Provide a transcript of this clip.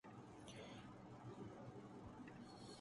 ہوشربا کڑوی تبدیلیاں عیاں اور سازباز کی جڑیں ملغوبہ انداز کی ہیں